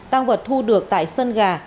tang vật thu được tại sân gà